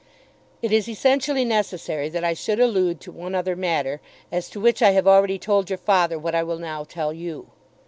It is essentially necessary that I should allude to one other matter, as to which I have already told your father what I will now tell you.